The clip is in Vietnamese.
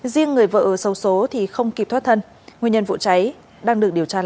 riêng người vợ xấu xố thì không kịp thoát thân nguyên nhân vụ cháy đang được điều tra làm rõ